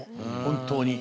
本当に。